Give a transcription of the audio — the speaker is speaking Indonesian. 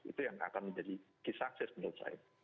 itu yang akan menjadi key success menurut saya